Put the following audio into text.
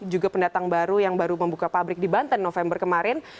juga pendatang baru yang baru membuka pabrik di banten november kemarin